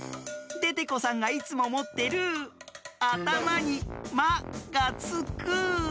デテコさんがいつももってるあたまに「マ」がつく。